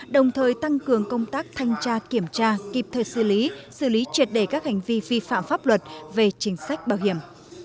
đồng thời tăng cường công tác thanh tra kiểm tra kịp thời xử lý xử lý triệt đề các hành vi vi phạm pháp luật về chính sách bảo hiểm